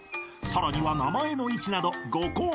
［さらには名前の位置など５項目で採点］